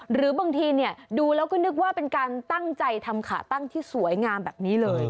หรือบางทีดูแล้วก็นึกว่าเป็นการตั้งใจทำขาตั้งที่สวยงามแบบนี้เลย